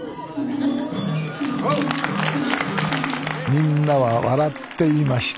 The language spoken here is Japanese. みんなは笑っていました。